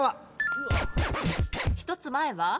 １つ前は？